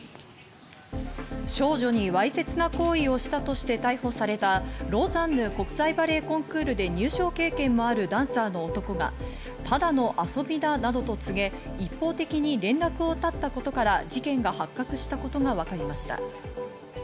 少女にわいせつな行為をしたとして逮捕されたローザンヌ国際バレエコンクールで入賞経験もあるダンサーの男がただの遊びだなどと告げ、一方的に連絡を絶ったことから事件が発覚したことが分かりました。